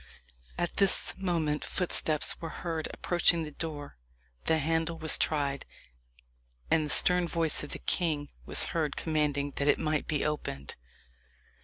At this moment footsteps were heard approaching the door the handle was tried and the stern voice of the king was heard commanding that it might be opened.